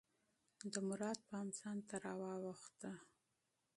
د مراد پام ځان ته راواووخته.